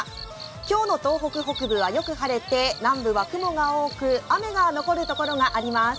今日の東北北部はよく晴れて南部は雲が多く、雨が残るところがあります。